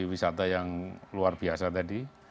wisata yang luar biasa tadi